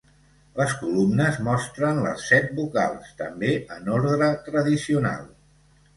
Les columnes mostren les set vocals, també en ordre tradicional.